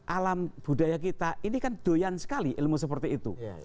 alam budaya kita ini kan doyan sekali ilmu seperti itu